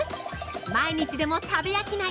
毎日でも食べ飽きない！